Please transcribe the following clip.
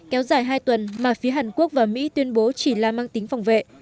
kéo dài hai tuần mà phía hàn quốc và mỹ tuyên bố chỉ là mang tính phòng vệ